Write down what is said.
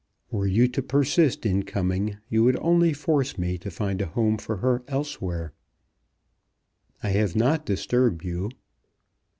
Were you to persist in coming you would only force me to find a home for her elsewhere." "I have not disturbed you."